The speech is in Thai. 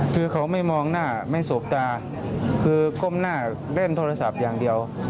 คือเขาไม่มองหน้าไม่สบตาคือก้มหน้าเล่นโทรศัพท์อย่างเดียว